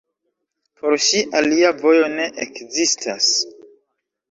Por ŝi alia vojo ne ekzistas.